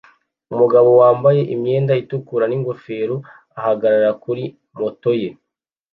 Umugabo wambaye imyenda itukura n'ingofero ahagarara kuri moto ye